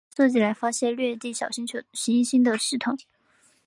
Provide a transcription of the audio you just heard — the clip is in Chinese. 是被设计来发现掠地小行星的系统。